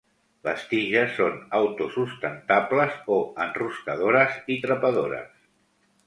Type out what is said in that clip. Les tiges són auto-sustentables o enroscadores i trepadores.